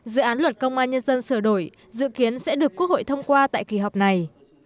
dự án luật công an nhân dân sửa đổi dự kiến sẽ được quốc hội thông qua tại kỳ họp này